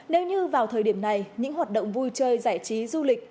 nếu như vào thời điểm này những hoạt động vui chơi giải trí du lịch